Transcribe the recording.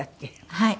はい。